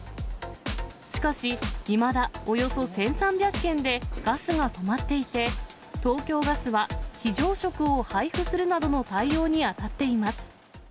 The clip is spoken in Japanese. しかし、いまだおよそ１３００軒でガスが止まっていて、東京ガスは非常食を配布するなどの対応に当たっています。